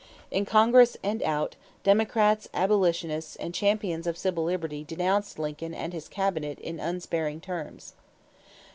In Congress and out, Democrats, abolitionists, and champions of civil liberty denounced Lincoln and his Cabinet in unsparing terms.